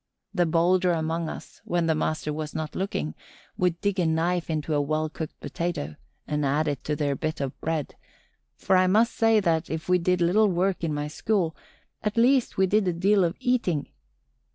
The bolder among us, when the master was not looking, would dig a knife into a well cooked potato and add it to their bit of bread; for I must say that, if we did little work in my school, at least we did a deal of eating.